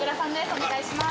お願いします。